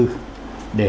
để có thể